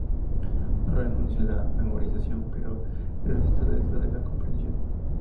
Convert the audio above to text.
No renuncia a la memorización, pero la sitúa detrás de la comprensión.